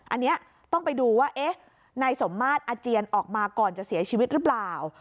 อันนี้ต้องไปดูว่าเอ๊ะนายสมมาตรอาเจียนออกมาก่อนจะเสียชีวิตหรือเปล่า